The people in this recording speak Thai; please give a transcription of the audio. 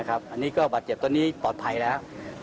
อันนี้ก็บาดเจ็บตอนนี้ปลอดภัยแล้ว